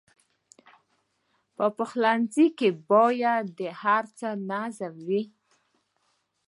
په پلورنځي کې باید د هر څه نظم وي.